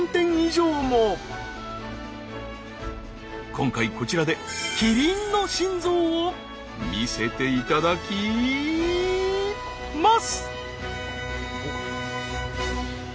今回こちらでキリンの心臓を見せていただきマス！